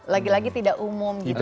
lagi lagi tidak umum gitu